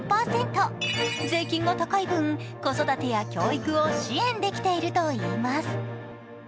税金が高い分、子育てや教育を支援できているといいます。